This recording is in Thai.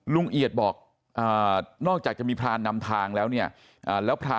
ลุงเอียดบอกนอกจากจะมีพลานนำทางแล้ว